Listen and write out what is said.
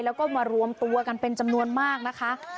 แล้วก็มารวมตัวกันเป็นจำนวนมากนะคะ